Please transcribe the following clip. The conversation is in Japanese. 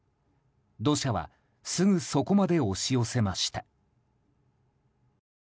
土砂はすぐそこまで押し寄せました。